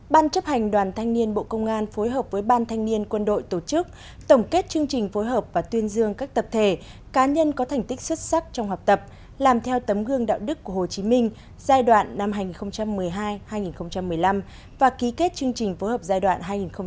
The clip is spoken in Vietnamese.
ban chấp hành đoàn thanh niên bộ công an phối hợp với ban thanh niên quân đội tổ chức tổng kết chương trình phối hợp và tuyên dương các tập thể cá nhân có thành tích xuất sắc trong học tập làm theo tấm gương đạo đức của hồ chí minh giai đoạn năm hai nghìn một mươi hai hai nghìn một mươi năm và ký kết chương trình phối hợp giai đoạn hai nghìn một mươi sáu hai nghìn hai mươi